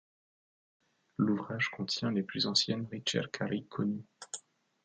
L'ouvrage contient les plus anciennes ricercari connues.